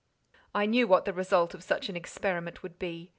I knew what the result of such an experiment would be.